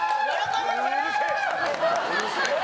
うるせえ！